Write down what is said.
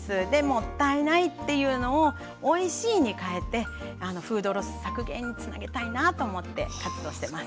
もったいないというのをおいしいに変えてフードロス削減につなげたいなと思って活動してます。